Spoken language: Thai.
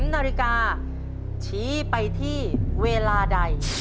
๓นาฬิกาชี้ไปที่เวลาใด